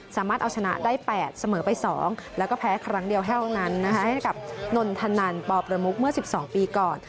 สามารถเอาชนะได้๘เสมอไป๒แล้วก็แพ้ครั้งเดียวแห้วนั้นให้กับนนทนันปประมุกเมื่อ๑๒ปีก่อน